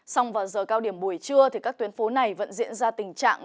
xong vào giờ cao điểm buổi trưa các tuyến phố này vẫn diễn ra tình trạng